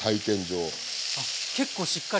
あっ結構しっかり。